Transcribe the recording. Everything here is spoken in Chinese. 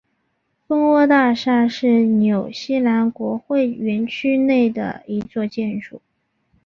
蜂窝大厦是纽西兰国会园区内的一座建筑。